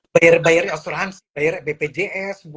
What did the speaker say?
bayar bayar asuransi bpjs bu